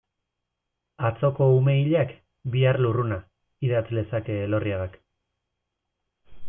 Atzoko ume hilak, bihar lurruna, idatz lezake Elorriagak.